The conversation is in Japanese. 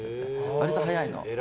割と早いの。